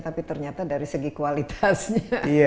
tapi ternyata dari segi kualitasnya